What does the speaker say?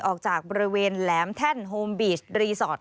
ออกจากบริเวณแหลมแท่นโฮมบีชรีสอร์ท